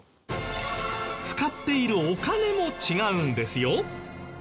使っているお金も違うんですよ。